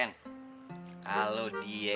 pren kalo dia